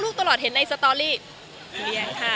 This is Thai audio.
ลูกตลอดเห็นในสตอรี่มีแหงค่ะ